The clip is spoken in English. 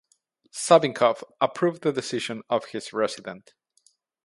Savinkov approved the decision of his resident.